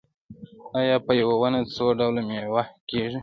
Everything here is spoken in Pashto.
آیا په یوه ونه څو ډوله میوه کیږي؟